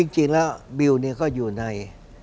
จริงแล้วบิวก็อยู่ใน